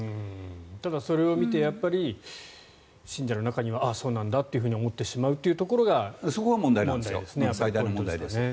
ただそれを見てやっぱり信者の中にはあ、そうなんだって思ってしまうっていうところが問題ですね。